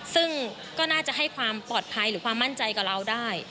ซึ่งก็น่าจะให้ความปลอดภัยหรือความมั่นใจกับเราได้